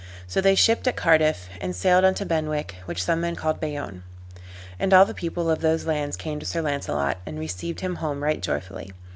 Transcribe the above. So they shipped at Cardiff, and sailed unto Benwick, which some men call Bayonne. And all the people of those lands came to Sir Launcelot, and received him home right joyfully.